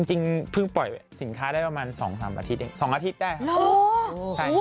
จริงเพิ่งปล่อยสินค้าได้ประมาณ๒๓อาทิตย์เอง๒อาทิตย์ได้ครับ